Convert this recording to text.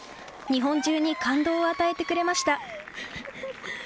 日本中に感動を与えてくれました。